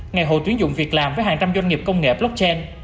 ngày hội tuyến dụng việc làm với hàng trăm doanh nghiệp công nghệ blockchain